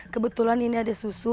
kebetulan ini ada susu